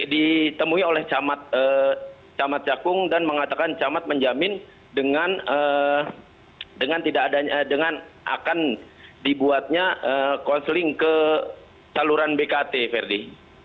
ditemui oleh camat cakung dan mengatakan camat menjamin dengan akan dibuatnya konseling ke saluran bkt verdi